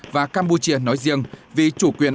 và campuchia nói riêng vì chủ quyền